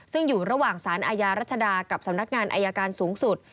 ซึ่งอยู่ระหว่างสารอาญารัชดากับสำนักงานอายการสูงสุด